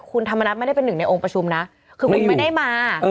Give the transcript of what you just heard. คุณธรรมนัฐไม่ได้เป็นหนึ่งในองค์ประชุมนะคือมันไม่ได้มา